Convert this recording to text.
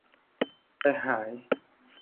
ใจหาย